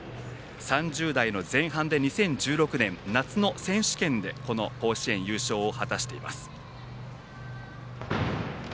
３０代の前半で２０１６年夏の選手権でこの甲子園優勝を果たしています。